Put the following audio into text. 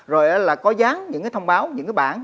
rồi là có dán những cái thông báo những cái bản